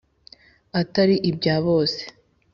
atari ibya bose.